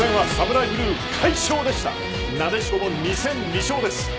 なでしこも２戦２勝です。